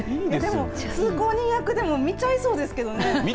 通行人役でも見ちゃいそうですけどね。